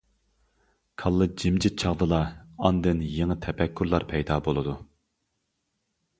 كاللا جىمجىت چاغدىلا ئاندىن يېڭى تەپەككۇرلار پەيدا بولىدۇ.